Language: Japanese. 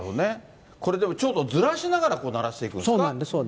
これでもちょっとずらしながら鳴らしていくんですか。